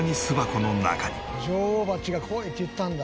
「女王蜂が来いって言ったんだ。